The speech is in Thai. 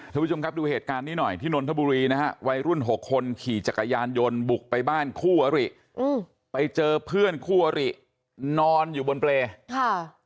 ทุกผู้ชมครับดูเหตุการณ์นี้หน่อยที่นนทบุรีนะฮะวัยรุ่นหกคนขี่จักรยานยนต์บุกไปบ้านคู่อริอืมไปเจอเพื่อนคู่อรินอนอยู่บนเปรย์ค่ะ